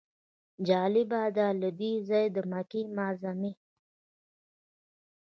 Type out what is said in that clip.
جالبه ده له دې ځایه د مکې معظمې.